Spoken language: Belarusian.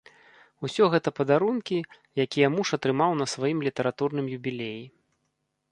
Усё гэта падарункі, якія муж атрымаў на сваім літаратурным юбілеі.